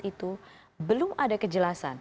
itu belum ada kejelasan